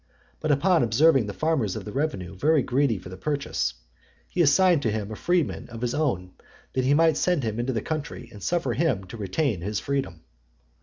But upon observing the farmers of the revenue very greedy for the purchase, he assigned him to a freedman of his own, that he might send him into the country, and suffer him to retain his freedom.